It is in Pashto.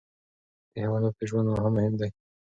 د حیواناتو ژوند هم مهم دی.